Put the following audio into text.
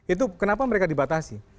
itu kenapa mereka dibatasi